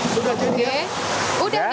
sudah jadi ya